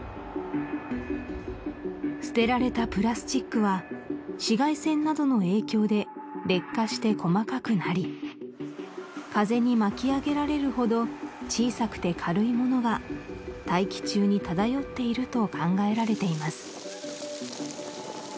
捨てられたプラスチックは紫外線などの影響で劣化して細かくなり風に巻き上げられるほど小さくて軽いものが大気中に漂っていると考えられています